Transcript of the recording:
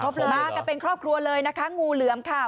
มากันเป็นครอบครัวเลยนะคะงูเหลือมค่ะ